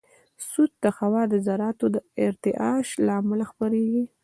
صوت د هوا د ذراتو د ارتعاش له امله خپرېږي.